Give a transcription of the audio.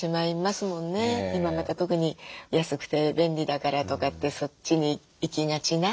今また特に安くて便利だからとかってそっちに行きがちな。